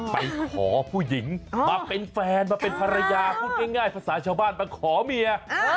ไปขอผู้หญิงมาเป็นแฟนมาเป็นภรรยาพูดง่ายภาษาชาวบ้านมาขอเมีย